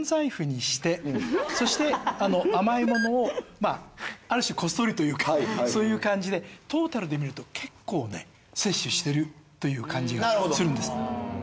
そして甘いものをある種こっそりというかそういう感じでトータルで見ると結構摂取してるという感じがするんです。